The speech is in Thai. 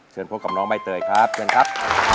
พบกับน้องใบเตยครับเชิญครับ